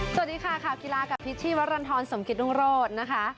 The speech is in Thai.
สวัสดีค่ะข่าวกีฬากับพิษชีวรรณฑรสมกิตรุงโรธนะคะ